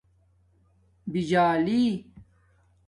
بِجالی